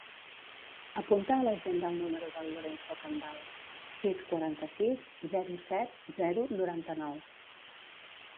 Apunta a l'agenda el número del Lorenzo Candal: sis, quaranta-sis, zero, set, zero, noranta-nou.